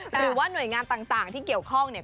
หรือว่าหน่วยงานต่างที่เกี่ยวข้องเนี่ย